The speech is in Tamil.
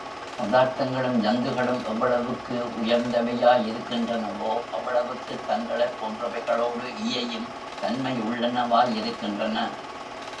பதார்த்தங்களும் ஜந்துக்களும் எவ்வளவுக்கு உயர்ந்தவையா யிருக்கின்றனவோ அவ்வளவுக்குத் தங்களைப் போன்றவைகளோடு இயையும் தன்மையுள்ளனவா யிருக்கின்றன.